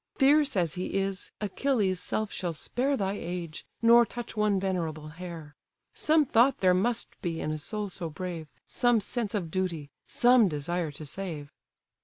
Fierce as he is, Achilles' self shall spare Thy age, nor touch one venerable hair; Some thought there must be in a soul so brave, Some sense of duty, some desire to save."